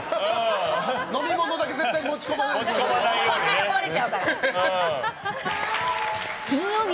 飲み物だけ絶対持ち込まないように。